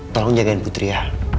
tolong jagain putri ya